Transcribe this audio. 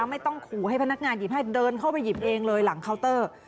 ไม่ต้องขู่ให้พนักงานหยิบให้เดินเข้าไปหยิบเองเลยหลังเคาน์เตอร์